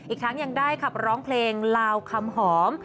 อีกทั้งยังได้ขับร้องเพลงลาวคำหอม